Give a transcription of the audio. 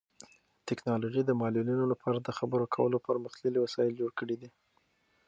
ټیکنالوژي د معلولینو لپاره د خبرو کولو پرمختللي وسایل جوړ کړي دي.